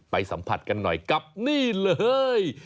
สัมผัสกันหน่อยกับนี่เลย